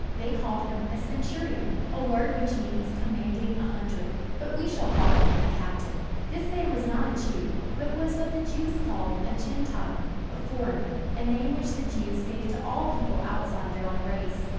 They called him "a centurion," a word which means "commanding a hundred"; but we should call him "a captain." This man was not a Jew, but was what the Jews called "a Gentile," "a foreigner"; a name which the Jews gave to all people outside their own race.